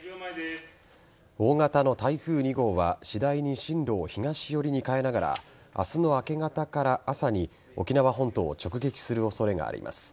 大型の台風２号は次第に進路を東寄りに変えながら明日の明け方から朝に沖縄本島を直撃する恐れがあります。